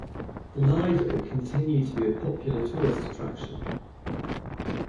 The lido continued to be a popular tourist attraction.